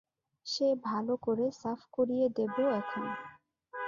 সে ভালো করে সাফ করিয়ে দেব এখন।